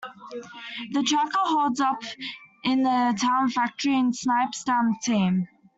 The tracker holds up in the town factory and snipes down the team.